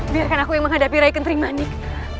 biarkan aku yang menghadapi rai kenterimanik